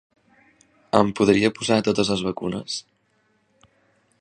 Em podria posar totes les vacunes?